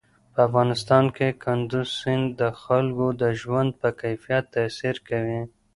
په افغانستان کې کندز سیند د خلکو د ژوند په کیفیت تاثیر کوي.